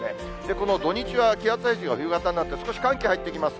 この土日は気圧配置が冬型になって、少し寒気入ってきます。